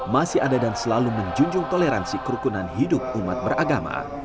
masih ada dan selalu menjunjung toleransi kerukunan hidup umat beragama